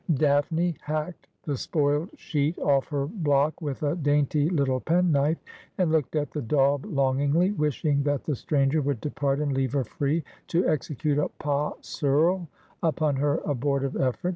Daphne hacked the spoiled sheet off her block with a dainty little penknife, and looked at the daub longingly, wishing that the stranger would depart and leave her free to execute a pas seul upon her abortive effort.